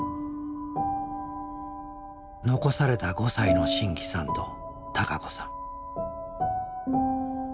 残された５歳の真気さんと孝子さん。